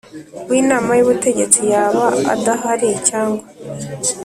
W inama y ubutegetsi yaba adahari cyangwa